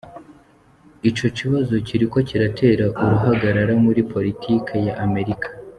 Ico kibazo kiriko kiratera uruhagarara muri politike ya Amerika.